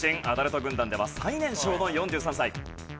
アダルト軍団では最年少の４３歳。